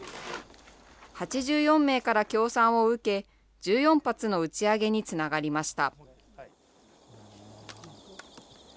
８４名から協賛を受け、１４発の打ち上げにつながりました。